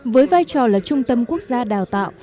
với vai trò là trung tâm quốc gia đào tạo